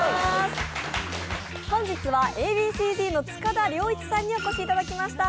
本日はＡ．Ｂ．Ｃ−Ｚの塚田僚一さんにお越しいただきました。